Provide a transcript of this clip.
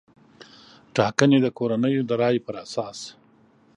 ټاګنې د کورنیو د رایې پر اساس